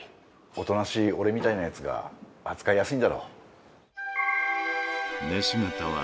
おとなしい俺みたいなやつが扱いやすいんだろ。